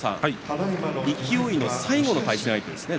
勢の最後の対戦相手ですね